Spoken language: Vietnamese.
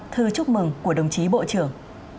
thư chúc mừng của đồng chí bộ trưởng